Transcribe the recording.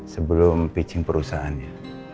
sebelum pitching perusahaannya